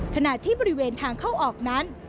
ขณะที่บริเวณทางเข้าออกนั้น